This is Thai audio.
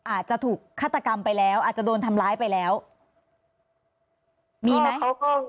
อาจจะถูกฆาตกรรมไปแล้วอาจจะโดนทำร้ายไปแล้วมีไหม